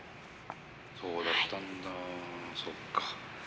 そうだったんだ、そっか。